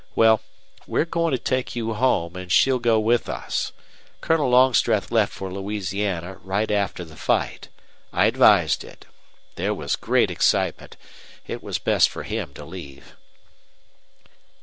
Well, we're going to take you home, and she'll go with us. Colonel Longstreth left for Louisiana right after the fight. I advised it. There was great excitement. It was best for him to leave."